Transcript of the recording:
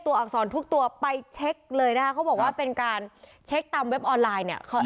อักษรทุกตัวไปเช็คเลยนะคะเขาบอกว่าเป็นการเช็คตามเว็บออนไลน์เนี่ย